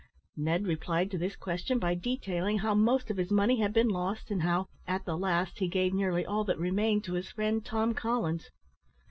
Ned replied to this question by detailing how most of his money had been lost, and how, at the last, he gave nearly all that remained to his friend Tom Collins.